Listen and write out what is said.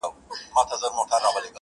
o يا غوړ غړی، يا موړ مړی!